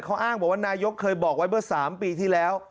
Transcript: เขาอ้างบอกว่านายกเคยบอกไว้เมื่อ๓ปีที่แล้ว